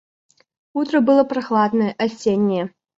Утро было прохладное, осеннее.